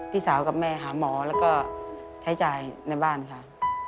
พี่สาวกับแม่หาหมอแล้วก็ใช้จ่ายในบ้านค่ะ